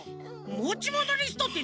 もちものリストって